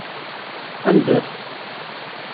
Anda-t?